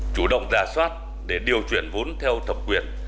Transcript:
chủ động giả soát để điều chuyển vốn theo thập quyền